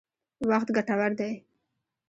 وخت ګټور دی.